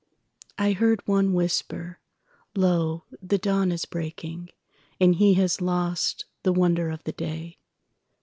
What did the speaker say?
I heard one whisper, "Lo! the dawn is breaking, And he has lost the wonder of the day."